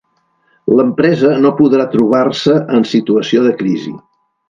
L'empresa no podrà trobar-se en situació de crisi.